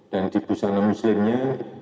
dan di busana muslimnya